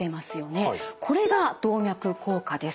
これが動脈硬化です。